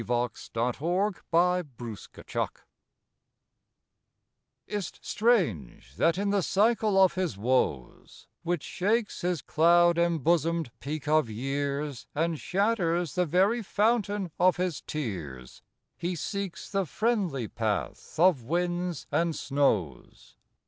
39 AFTER READING KING LEAR Is 't strange that in the cycle of his woes, Which shakes his cloud embosomed peak of years And shatters the very fountain of his tears, He seeks the friendly path of winds and snows?